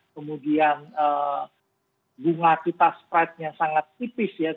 kemudian bunga kita spreadnya sangat tipis ya